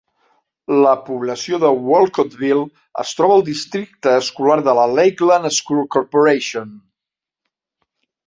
La població de Wolcottville es troba al districte escolar de la Lakeland School Corporation.